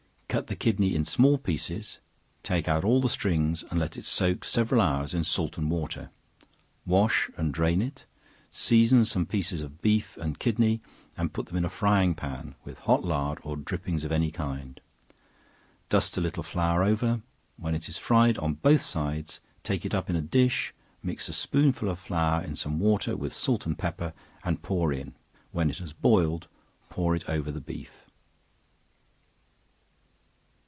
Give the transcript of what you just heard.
Cut the kidney in small pieces; take out all the strings and let it soak several hours in salt and water; wash and drain it; season some pieces of beef and kidney, and put them in a frying pan, with hot lard or drippings of any kind; dust a little flour over; when it is fried on both sides, take it up in a dish; mix a spoonful of flour in some water with salt and pepper, and pour in; when it has boiled, pour it over the beef.